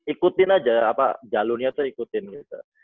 ikutin aja apa jalurnya tuh ikutin gitu